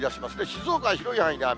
静岡は広い範囲で雨。